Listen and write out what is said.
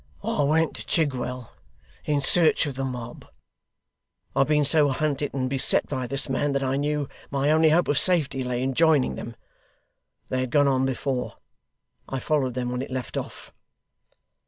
'I went to Chigwell, in search of the mob. I have been so hunted and beset by this man, that I knew my only hope of safety lay in joining them. They had gone on before; I followed them when it left off.